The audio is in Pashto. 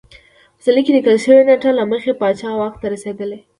په څلي کې لیکل شوې نېټه له مخې پاچا واک ته رسېدلی